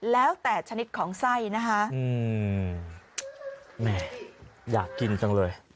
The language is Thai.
แล้วแต่ชนิดของไส้นะคะอืมแม่อยากกินจังเลย